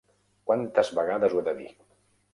Quantes vegades ho he de dir!